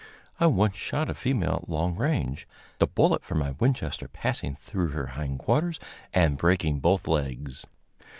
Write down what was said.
I once shot a female at long range, the bullet from my Winchester passing through her hind quarters and breaking both legs.